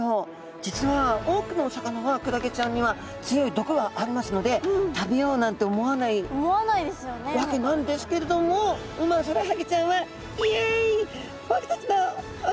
実は多くのお魚はクラゲちゃんには強い毒がありますので食べようなんて思わないわけなんですけれどもウマヅラハギちゃんは。